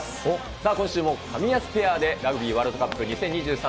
さあ、今週もカミヤスペアでラグビーワールドカップ２０２３